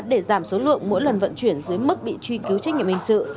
để giảm số lượng mỗi lần vận chuyển dưới mức bị truy cứu trách nhiệm hình sự